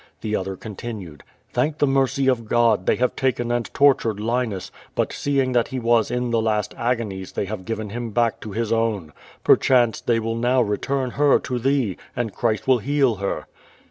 The other continued: '*Thank the mercy of God, they have taken and tortured Linus, but, seeing tliat he was in the last agonies, they have given him back to his own. Perchance they will now return her to tliee, and Christ will heal her."